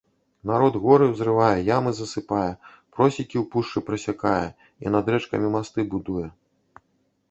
Народ горы ўзрывае, ямы засыпае, просекі ў пушчы прасякае і над рэчкамі масты будуе.